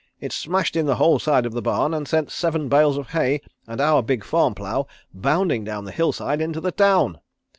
It smashed in the whole side of the barn and sent seven bales of hay, and our big farm plough bounding down the hillside into the town.